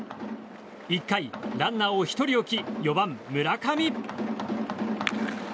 １回、ランナーを１人置き４番、村上。